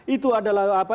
itu adalah apa